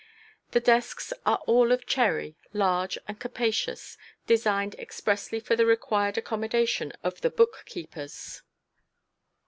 The desks are all of cherry, large and capacious, designed expressly for the required accommodation of the bookkeepers.